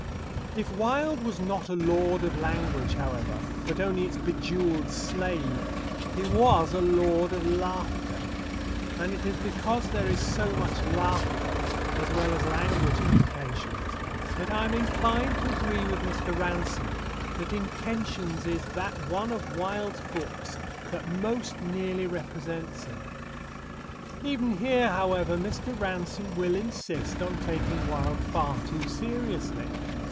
If Wilde was not a lord of language, however, but only its bejewelled slave, he was a lord of laughter, and it is because there is so much laughter as well as language in Intentions that I am inclined to agree with Mr. Ransome that Intentions is "that one of Wilde's books that most nearly represents him." Even here, however, Mr. Ransome will insist on taking Wilde far too seriously.